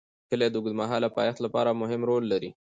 کلي د اوږدمهاله پایښت لپاره مهم رول لري.